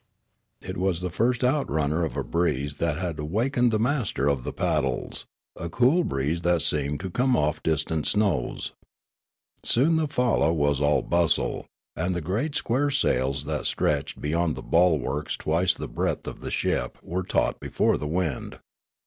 It was the first outrunner of a breeze that had awak The Voyage and the Wreck 301 ened the master of the paddles, a cool breeze that seemed to come off distant snows. Soon the falla was all bustle, and the great square sails that stretched be yond the bulwarks twice the breadth of the ship were taut before the wind.